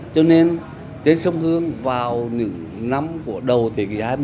cho nên trên sông hương vào những năm của đầu thời kỳ hai mươi